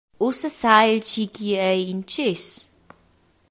Ussa sa el tgei ch’igl ei, in tschéss.